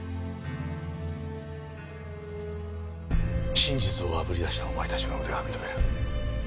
真実をあぶり出したお前たちの腕は認める。